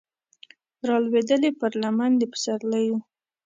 رالویدلې پر لمن د پسرلیو